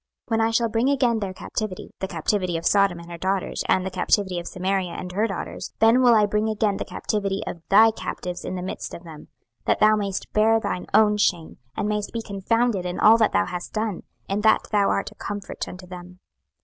26:016:053 When I shall bring again their captivity, the captivity of Sodom and her daughters, and the captivity of Samaria and her daughters, then will I bring again the captivity of thy captives in the midst of them: 26:016:054 That thou mayest bear thine own shame, and mayest be confounded in all that thou hast done, in that thou art a comfort unto them.